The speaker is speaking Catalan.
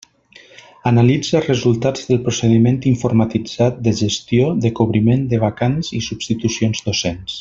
Analitza els resultats del procediment informatitzat de gestió de cobriment de vacants i substitucions docents.